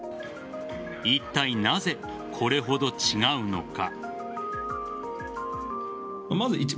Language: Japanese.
いったいなぜ、これほど違うのか。